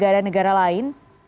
dari negara negara lain